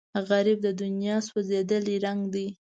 غریب د دنیا سوځېدلی رنګ دی